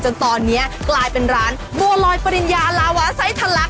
จนตอนนี้กลายเป็นร้านบัวลอยปริญญาลาวาไซส์ทะลัก